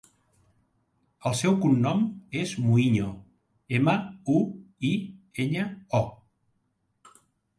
El seu cognom és Muiño: ema, u, i, enya, o.